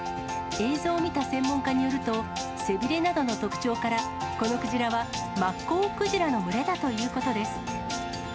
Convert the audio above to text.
映像を見た専門家によると、背びれなどの特徴から、このクジラはマッコウクジラの群れだということです。